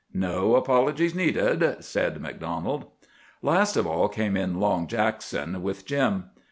"No apologies needed," said MacDonald. Last of all came in Long Jackson, with Jim.